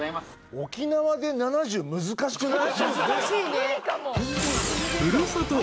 沖縄で７０難しくない？